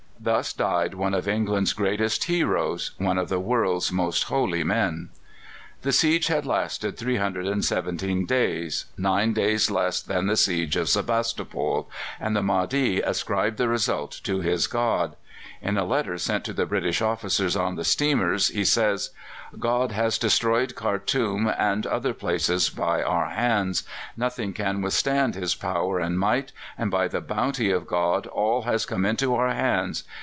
Thus died one of England's greatest heroes, one of the world's most holy men. The siege had lasted 317 days, nine days less than the siege of Sebastopol, and the Mahdi ascribed the result to his God. In a letter sent to the British officers on the steamers he says: "God has destroyed Khartoum and other places by our hands. Nothing can withstand His power and might, and by the bounty of God all has come into our hands.